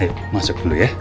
ayo masuk dulu ya